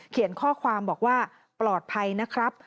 เขียนข้อความบอกว่าปลอดภัยนะครับ